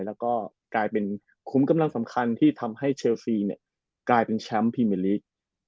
แล้วก็กลายเป็นคุมกำลังสำคัญที่ทำให้เชลซีเนี่ยกลายเป็นแชมป์พรีเมอร์ลีก